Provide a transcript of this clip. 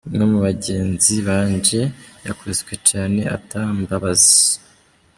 "Umwe mu bagenzi banje yakubiswe cane ata mbabazi.